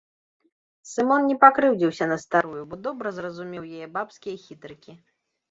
Сымон не пакрыўдзіўся на старую, бо добра зразумеў яе бабскія хітрыкі.